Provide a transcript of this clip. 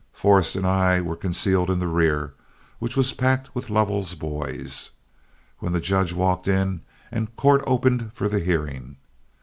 Forrest and I were concealed in the rear, which was packed with Lovell's boys, when the judge walked in and court opened for the hearing.